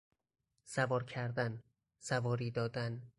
سوار کردن، سواری دادن